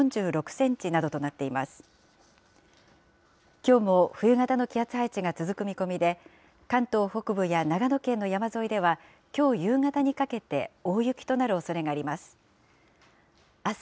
きょうも冬型の気圧配置が続く見込みで、関東北部や長野県の山沿いでは、きょう夕方にかけて、大雪となるおそれがあります。